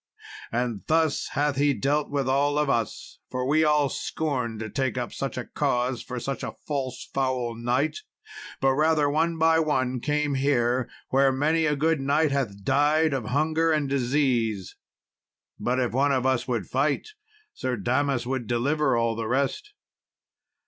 And thus hath he dealt with all of us, for we all scorned to take up such a cause for such a false foul knight but rather one by one came here, where many a good knight hath died of hunger and disease. But if one of us would fight, Sir Damas would deliver all the rest."